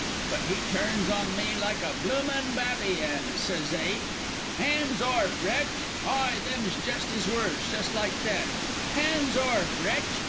But he turns on me like a bloomin' babby an s'ys he: 'Hands orf, wretch!' Ay, them's just his words. Just like that, 'Hands orf, wretch!'